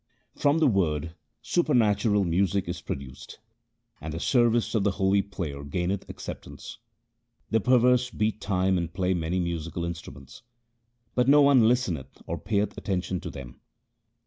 From the Word supernatural music is produced, and the service of the holy player gaineth acceptance. The perverse beat time and play many musical instruments, But no one listeneth or payeth attention to them.